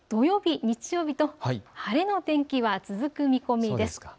土曜日、日曜日と晴れの天気は続く見込みです。